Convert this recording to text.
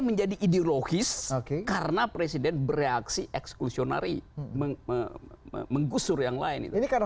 menjadi ideologis oke karena presiden bereaksi eksklusi narik mengusur yang lain ini karena